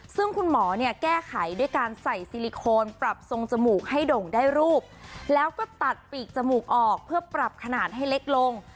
ซึ่งคุณหมอเนี่ยแก้ไขด้วยการใส่ซิลิโคนปรับทรงจมูกให้ด่งได้รูปแล้วก็ตัดปีกจมูกออกเพื่อปรับขนาดให้เล็กลง